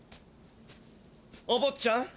おぼっちゃん